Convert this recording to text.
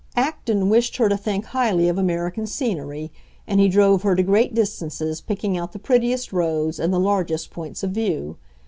Acton wished her to think highly of American scenery, and he drove her to great distances, picking out the prettiest roads and the largest points of view.